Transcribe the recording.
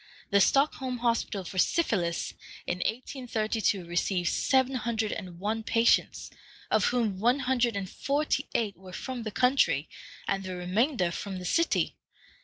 The Stockholm Hospital for syphilis in 1832 received seven hundred and one patients, of whom one hundred and forty eight were from the country, and the remainder from the city.